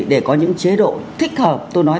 để có những chế độ thích hợp tôi nói